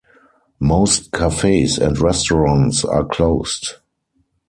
Most cafes and restaurants are closed.